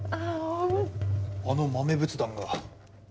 あの豆仏壇が。